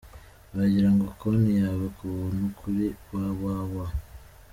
, wafungura konti yawe kubuntu kuri www.